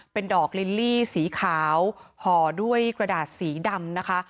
เป็นดอกลิลลี่สีขาวห่อด้วยกระดาษสีดำนะคะ